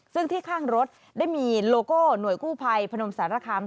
ซึ่งที่ข้างรถได้มีโลโก้หน่วยกู้ภัยพนมสารคาม